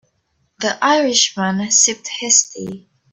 The Irish man sipped his tea.